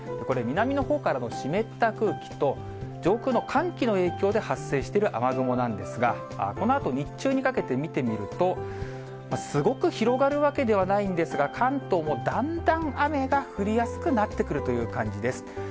これ、南のほうからの湿った空気と、上空の寒気の影響で発生している雨雲なんですが、このあと、日中にかけて見てみると、すごく広がるわけではないんですが、関東もだんだん雨が降りやすくなってくるという感じです。